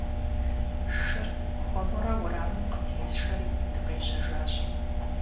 Шыр хуэмурэ уэрамым къытесшэри, дыкъежьэжащ.